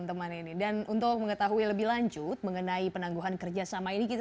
saiful bahri cnn indonesia